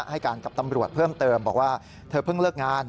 ให้การกับตำรวจเพิ่มเติมบอกว่าเธอเพิ่งเลิกงาน